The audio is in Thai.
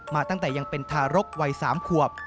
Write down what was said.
มาตั้งแต่ยังเป็นทารกวัย๓ขวบ